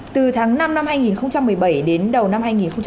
từ tháng năm năm hai nghìn một mươi bảy đến đầu năm hai nghìn một mươi chín